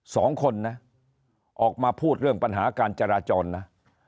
สองคนนะออกมาพูดเรื่องปัญหาการจราจรนะ